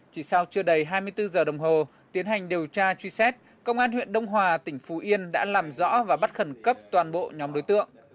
chỉ sau chưa đầy hai mươi bốn giờ đồng hồ tiến hành điều tra truy xét công an huyện đông hòa tỉnh phú yên đã làm rõ và bắt khẩn cấp toàn bộ nhóm đối tượng